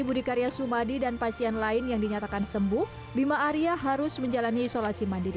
budi karya sumadi dan pasien lain yang dinyatakan sembuh bima arya harus menjalani isolasi mandiri